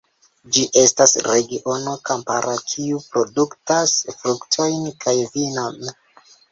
Ĝi estas regiono kampara, kiu produktas fruktojn kaj vinon.